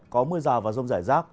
có mưa rào và rông rải rác